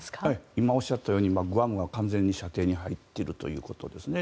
今おっしゃったようにグアムは完全に射程に入っているということですね。